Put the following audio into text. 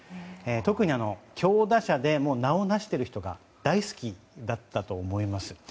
特に強打者で名を成している人が大好きだったと思います。